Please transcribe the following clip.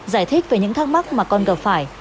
giải thích về những thắc mắc mà con gặp phải